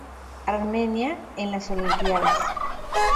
Armenia en las Olimpíadas